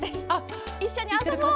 「いっしょにあそぼう！」